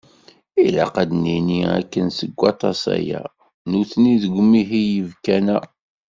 Ilaq ad d-nini d akken seg waṭas-aya, nutni deg umihi yibkan-a.